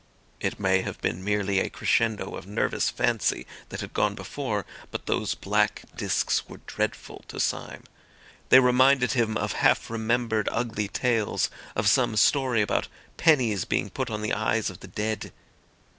It may have been merely a crescendo of nervous fancy that had gone before, but those black discs were dreadful to Syme; they reminded him of half remembered ugly tales, of some story about pennies being put on the eyes of the dead.